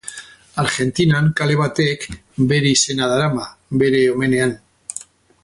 Argentinan kale batek bere izena darama, bere omenean.